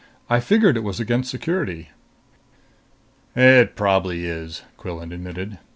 I figured it was against security." "It probably is," Quillan admitted.